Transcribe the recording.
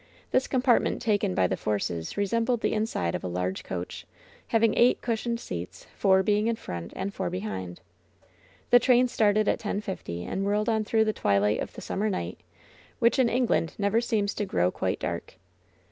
This compartment taken by the Forces resembled the inside of a large coach, having eight cushioned seats, four being in front and four behind. The train started at ten fifty, and whirled on through the twilight of the summer night, which in England never seems to grow quite dark.